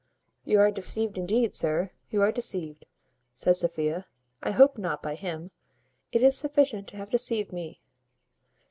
"You are deceived indeed, sir; you are deceived," said Sophia. "I hope not by him. It is sufficient to have deceived me.